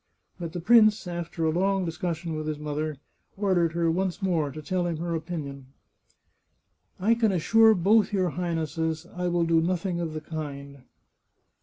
But the prince, after a long discussion with his mother, ordered her once more to tell him her opinion. " I can assure both your Highnesses I will do nothing of the kind."